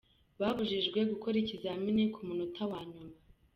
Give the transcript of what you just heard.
Babujijwe gukora ikizamini ku munota wa nyuma